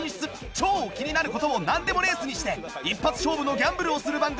超気になる事をなんでもレースにして一発勝負のギャンブルをする番組『＃